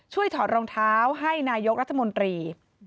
ถอดรองเท้าให้นายกรัฐมนตรี